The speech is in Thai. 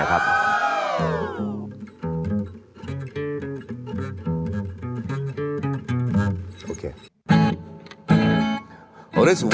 มีคนเดียว